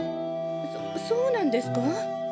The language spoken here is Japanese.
そそうなんですか？